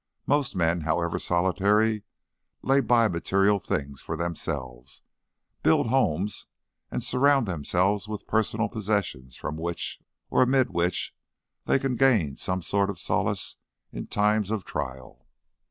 Most men, however solitary, lay by material things for themselves, build homes and surround themselves with personal possessions from which, or amid which, they can gain some sort of solace in times of trial.